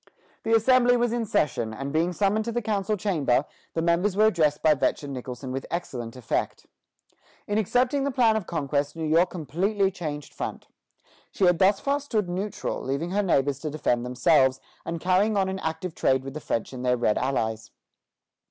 The Assembly was in session, and being summoned to the council chamber, the members were addressed by Vetch and Nicholson with excellent effect. In accepting the plan of conquest, New York completely changed front. She had thus far stood neutral, leaving her neighbors to defend themselves, and carrying on an active trade with the French and their red allies.